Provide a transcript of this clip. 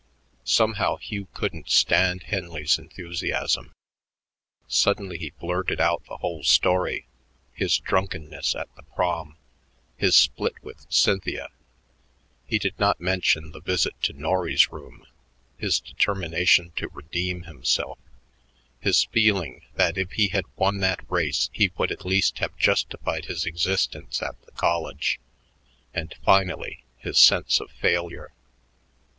Somehow Hugh couldn't stand Henley's enthusiasm. Suddenly he blurted out the whole story, his drunkenness at the Prom, his split with Cynthia he did not mention the visit to Norry's room his determination to redeem himself, his feeling that if he had won that race he would at least have justified his existence at the college, and, finally, his sense of failure.